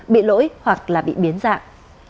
bị lỗi hoặc bị biến dạng